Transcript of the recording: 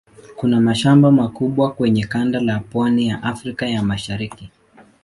Kuna mashamba makubwa kwenye kanda la pwani ya Afrika ya Mashariki.